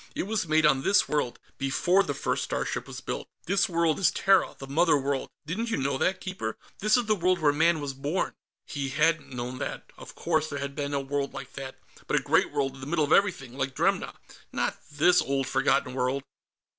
"It was made on this world, before the first starship was built. This world is Terra, the Mother World; didn't you know that, Keeper? This is the world where Man was born." He hadn't known that. Of course, there had to be a world like that, but a great world in the middle of everything, like Dremna. Not this old, forgotten world.